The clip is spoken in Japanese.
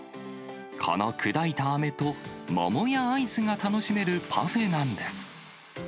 この砕いたあめと桃やアイスが楽しめるパフェなんです。